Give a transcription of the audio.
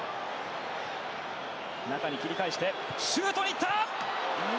中に切り返してシュートに行った！